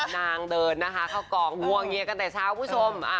นางเดินนะคะเข้ากองงวงเงียกันแต่เช้าคุณผู้ชม